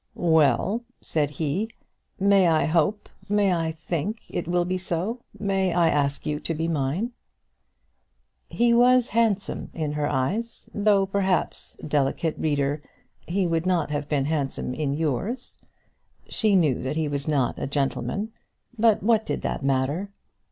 "Well," said he, "may I hope may I think it will be so? may I ask you to be mine?" He was handsome in her eyes, though perhaps, delicate reader, he would not have been handsome in yours. She knew that he was not a gentleman; but what did that matter?